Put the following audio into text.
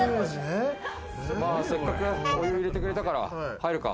せっかくお湯入れてくれたから入るか。